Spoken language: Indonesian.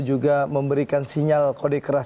juga memberikan sinyal kode keras